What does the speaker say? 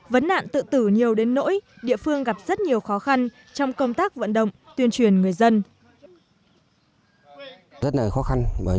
vấn nạn tự tử nhiều đến nỗi địa phương gặp rất nhiều khó khăn trong công tác vận động tuyên truyền người dân